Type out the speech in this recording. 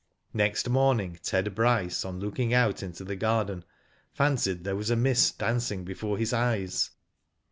Next morning Ted Bryce on looking out jnto the ' garden fancied there was a mist dancing before his eyes.